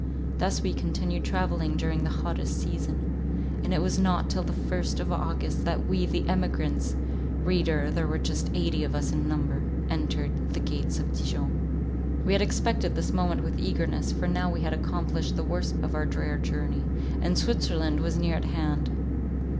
Thus we continued travelling during the hottest season; and it was not till the first of August, that we, the emigrants,—reader, there were just eighty of us in number,—entered the gates of Dijon. We had expected this moment with eagerness, for now we had accomplished the worst part of our drear journey, and Switzerland was near at hand.